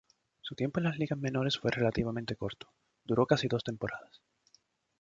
Su tiempo en las ligas menores fue relativamente corto, duró casi dos temporadas.